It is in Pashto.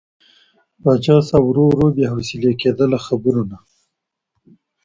پاچا صاحب ورو ورو بې حوصلې کېده له خبرو نه.